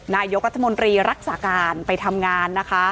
นายกรัฐมนตรีรักษาการไปทำงานนะคะ